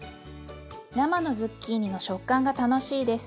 生のズッキーニの食感が楽しいです。